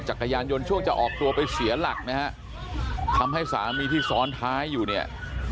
จักรยานยนต์ช่วงจะออกตัวไปเสียหลักนะฮะทำให้สามีที่ซ้อนท้ายอยู่เนี่ย